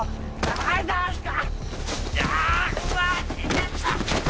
大丈夫か！？